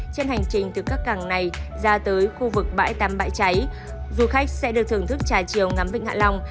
trên hành trình từ các cảng này ra tới khu vực bãi tắm bãi cháy du khách sẽ được thưởng thức trải chiều ngắm vịnh hạ long